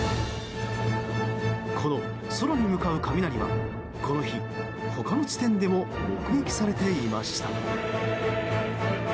この空に向かう雷はこの日、他の地点でも目撃されていました。